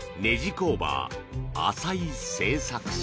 工場、浅井製作所。